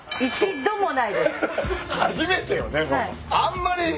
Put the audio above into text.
初めてよねママ。